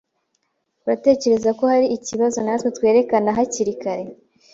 Uratekereza ko hari ikibazo natwe twerekana hakiri kare?